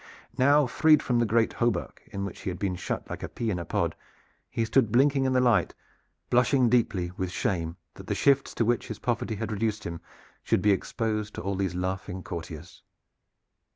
Now freed from the great hauberk in which he had been shut like a pea in a pod, he stood blinking in the light, blushing deeply with shame that the shifts to which his poverty had reduced him should be exposed to all these laughing courtiers.